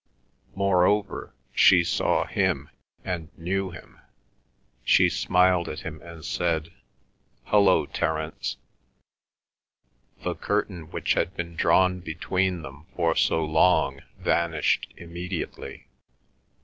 Moreover, she saw him and knew him. She smiled at him and said, "Hullo, Terence." The curtain which had been drawn between them for so long vanished immediately.